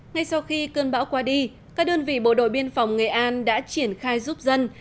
ngay sau khi cơn bão qua đi các đơn vị bộ đội biên phòng nghệ an đã triển khai giúp dân